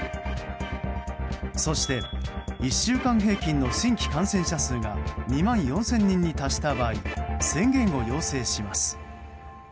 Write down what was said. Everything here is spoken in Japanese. そして１週間平均の新規感染者数が２万４０００人に達した場合宣言を要請します。